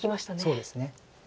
そうですね。